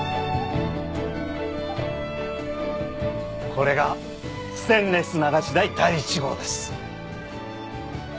これがステンレス流し台第１号です。